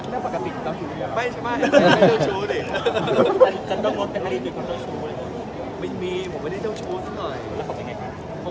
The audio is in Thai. มันปกติตั้งคือมึงไม่ใช่ไหม